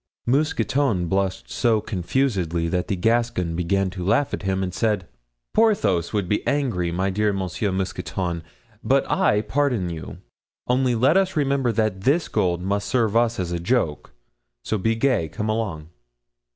Mousqueton blushed so confusedly that the Gascon began to laugh at him and said: "Porthos would be angry, my dear Monsieur Mousqueton, but I pardon you, only let us remember that this gold must serve us as a joke, so be gay—come along."